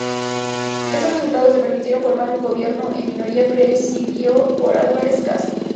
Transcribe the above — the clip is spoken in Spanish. Estos resultados le permitieron formar un gobierno en minoría presidido por Álvarez-Cascos.